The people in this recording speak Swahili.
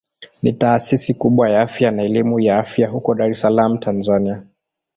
Ni taasisi kubwa ya afya na elimu ya afya huko Dar es Salaam Tanzania.